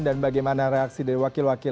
dan bagaimana reaksi dari wakil wakil